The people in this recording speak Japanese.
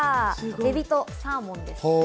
海老とサーモンです。